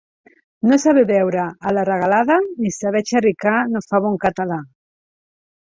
No saber beure a la regalada ni saber xerricar no fa bon català.